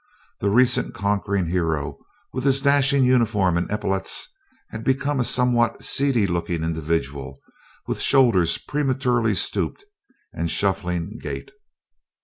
The recent conquering hero, with his dashing uniform and epaulets, had become a somewhat seedy looking individual with shoulders prematurely stooped, and shuffling gait.